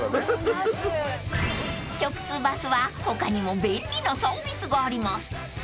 ［直通バスは他にも便利なサービスがあります］